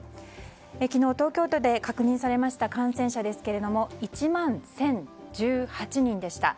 昨日、東京都で確認されました感染者ですけど１万１０１８人でした。